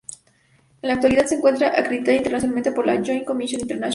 En la actualidad se encuentra acreditada internacionalmente por la Joint Commission International.